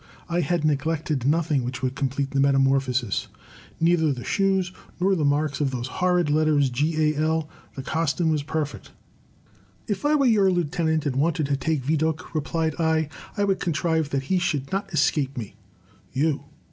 I had neglected nothing which could complete the metamorphosis, — neither the shoes nor the marks of those horrid letters G. A. L. The costume was perfect." '* If I were your lieutenant, and wanted to take Vidocq, replied I, I would contrive that he should not escape me.'* "You!